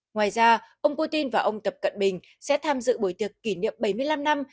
ngoài ra ông putin và ông tập cận bình sẽ tham dự buổi tiệc kỷ niệm bảy mươi năm năm